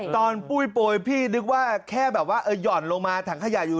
ปุ้ยโปรยพี่นึกว่าแค่แบบว่าหย่อนลงมาถังขยะอยู่